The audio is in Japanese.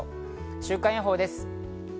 週間予報です。